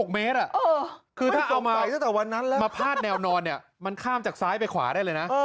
๕๖เมตรอะคือถ้าเอามาพาดแนวนอนเนี่ยมันข้ามจากซ้ายไปขวาได้เลยนะ